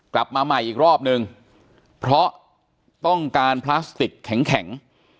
กลับมาใหม่อีกรอบนึงเพราะต้องการพลาสติกแข็ง